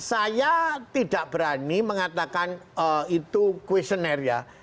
saya tidak berani mengatakan itu questionnaire ya